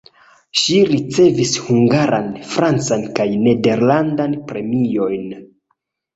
Ŝi ricevis hungaran, francan kaj nederlandan premiojn.